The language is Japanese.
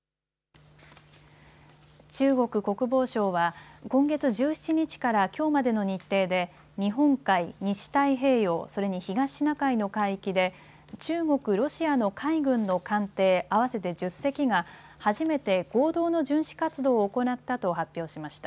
中国国防省は今月１７日からきょうまでの日程で日本海、西太平洋それに東シナ海の海域で中国、ロシアの海軍の艦艇合わせて１０隻が初めて合同の巡視活動を行ったと発表しました。